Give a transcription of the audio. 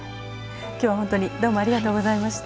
今日は本当にどうもありがとうございました。